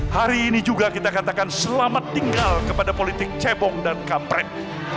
hari ini juga kita katakan selamat tinggal kepada politik cebong dan kampret